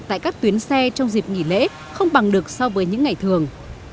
tại các tuyến xe trong dịp nghỉ lễ không bằng được so với những ngày thường